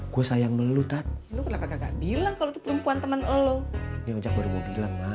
gua sayang melulu tat lu kenapa gak bilang kalau itu perempuan temen lu ya ucap baru mau bilang mak